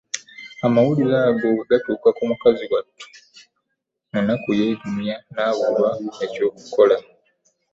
Amawulire ago bwe gaatuuka ku mukazi wattu Munakuyeegumya n'abulwa eky'okukola.